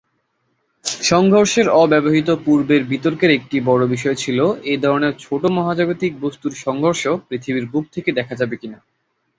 সংঘর্ষের অব্যবহিত পূর্বের বিতর্কের একটি বড়ো বিষয় ছিল এই ধরনের ছোটো মহাজাগতিক বস্তুর সংঘর্ষ পৃথিবীর বুক থেকে দেখা যাবে কিনা।